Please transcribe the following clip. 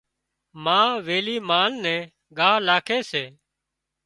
ما ويلِي مال نين ڳاهَ لاکي سي۔